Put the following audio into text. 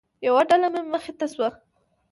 یوه ډله مخې ته شوه.